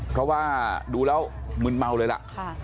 เพราะว่าดูแล้วมึนเมาเลยล่ะ